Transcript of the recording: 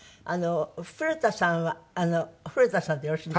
古田さんは古田さんでよろしいんですよね？